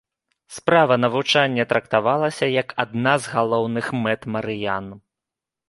Справа навучання трактавалася як адна з галоўных мэт марыян.